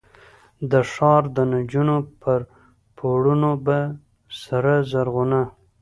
د ښار دنجونو پر پوړونو به، سره زرغونه،